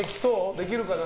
できるかな？